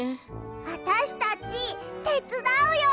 あたしたちてつだうよ！